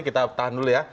kita tahan dulu ya